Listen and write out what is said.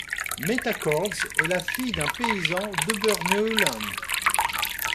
Metta Cordes est la fille d'un paysan d'Oberneuland.